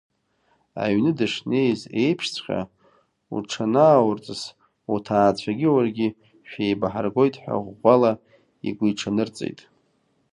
Аҩны дышнеиз еиԥшҵәҟьа, уҽанааурҵыс, уҭаацәагьы уаргьы шәеибаҳаргоит ҳәа ӷәӷәала игәиҽанырҵеит.